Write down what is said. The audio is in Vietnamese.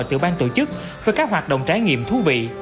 từ bang tổ chức với các hoạt động trải nghiệm thú vị